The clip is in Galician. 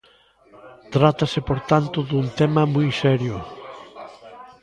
Trátase, por tanto, dun tema moi serio.